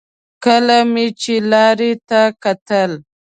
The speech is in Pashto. کله مې چې لارې ته کتل.